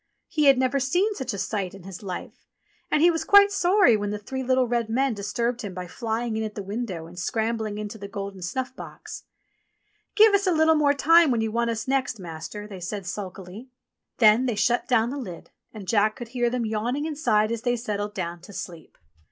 He had never seen such a sight in his life, and he was quite sorry when the three little red men ' disturbed him by flying in at the window and scrambling , into the golden snuff box. | "Give us a little more time when you want us next, i Master," they said sulkily. Then they shut down the lid, and Jack could hear them yawning inside as they settled down to sleep.